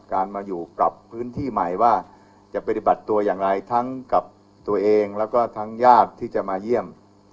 การมาอยู่กลับพื้นที่ใหม่ว่าจะปฏิบัติตัวอย่างไรทั้งกับตัวเองแล้วก็ทั้งญาติที่จะมาเยี่ยม